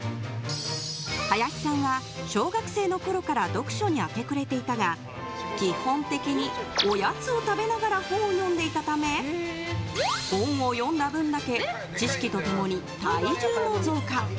林さんは小学生のころから読書に明け暮れていたが基本的におやつを食べながら本を読んでいたため本を読んだ分だけ知識と共に体重も増加。